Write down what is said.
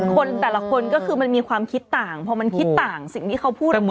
คนแต่ละคนก็คือมันมีความคิดต่างพอมันคิดต่างสิ่งที่เขาพูดออกมา